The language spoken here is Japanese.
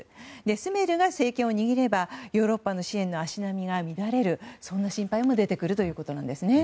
スメルが政権を握ればヨーロッパの支援の足並みが乱れるという心配も出てくるんですね。